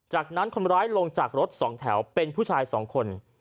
จากนั้นคนร้ายลงจากรถสองแถวเป็นผู้ชาย๒คน